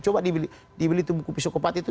coba dibeli buku psikopat itu